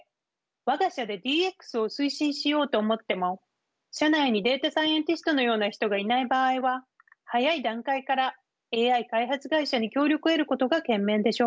「我が社でＤＸを推進しよう」と思っても社内にデータサイエンティストのような人がいない場合は早い段階からＡＩ開発会社に協力を得ることが賢明でしょう。